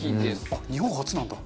あっ日本発なんだ。